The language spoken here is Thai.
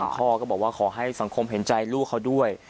พ่อก็บอกว่าขอให้สังคมเห็นใจลูกเขาด้วย